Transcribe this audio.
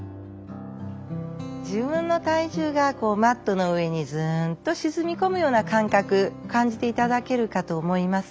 自分の体重がマットの上にズンと沈み込むような感覚感じていただけるかと思いますが